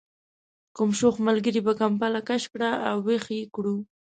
کوم شوخ ملګري به کمپله کش کړې او ویښ یې کړو.